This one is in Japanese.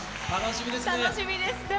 楽しみですね。